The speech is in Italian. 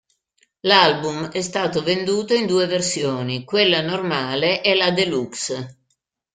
L'album è stato venduto in due versioni: quella normale e la deluxe.